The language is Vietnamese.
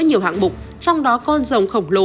nhiều hãng bục trong đó con rồng khổng lồ